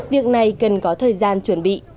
việc này cần có thời gian chuẩn bị